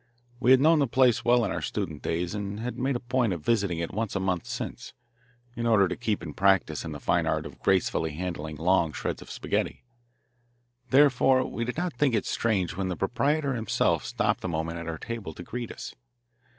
We had known the place well in our student days, and had made a point of visiting it once a month since, in order to keep in practice in the fine art of gracefully handling long shreds of spaghetti. Therefore we did not think it strange when the proprietor himself stopped a moment at our table to greet us.